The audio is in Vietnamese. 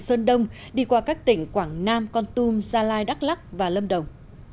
sơn đông đi qua các tỉnh quảng nam con tum gia lai đắk lắc và lâm đồng